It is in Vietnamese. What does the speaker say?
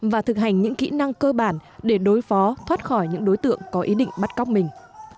và thực hành những kỹ năng cơ bản để đối phó thoát khỏi những đối tượng có ý định bắt cóc mình